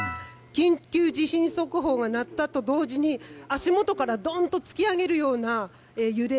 緊急地震速報が鳴ったと同時に足元からドンと突き上げるような揺れ。